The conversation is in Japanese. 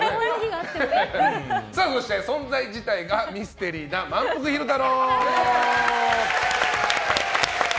そして、存在自体がミステリーな、まんぷく昼太郎。